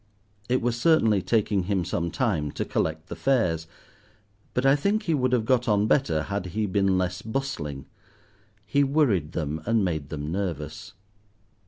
It was certainly taking him some time to collect the fares, but I think he would have got on better had he been less bustling; he worried them, and made them nervous.